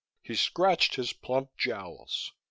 He scratched his plump jowls.